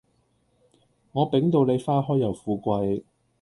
我抦到你花開又富貴